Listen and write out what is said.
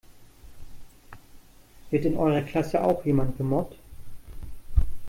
Wird in eurer Klasse auch jemand gemobbt?